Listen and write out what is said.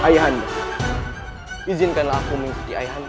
ayah anda izinkanlah aku mengikuti ayah anda